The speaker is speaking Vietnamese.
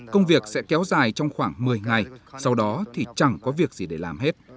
công việc sẽ kéo dài trong khoảng một mươi ngày sau đó thì chẳng có việc gì để làm hết